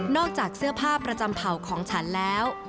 จากเสื้อผ้าประจำเผ่าของฉันแล้ว